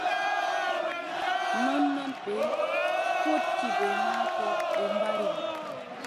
Nonnon ɓe potti bee maako ɓe mbari mo.